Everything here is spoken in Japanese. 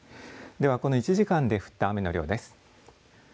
では、この１時間に降った雨の量です。